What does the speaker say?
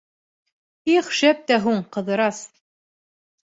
— Их, шәп тә һуң, Ҡыҙырас!